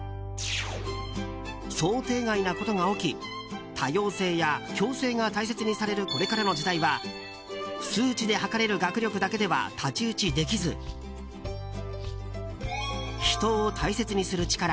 想定外なことが起き多様性や共生が大切にされるこれからの時代は数値で測れる学力だけでは太刀打ちできず人を大切にする力